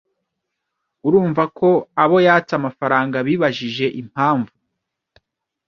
Urumva ko abo yatse amafaranga bibajije impamvu